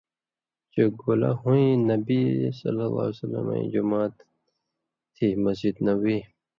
چےۡ گولہ ہُوۡیں نبیؐ ایں جُماتھ تھی (مسجد نبوی)۔